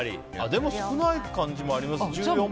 でも、少ない感じもあります。